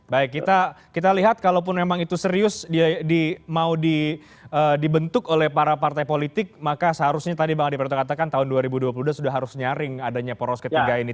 baik kita lihat kalaupun memang itu serius mau dibentuk oleh para partai politik maka seharusnya tadi bang adi prata katakan tahun dua ribu dua puluh dua sudah harus nyaring adanya poros ketiga ini